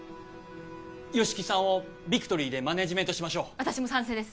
吉木さんをビクトリーでマネージメントしましょう私も賛成です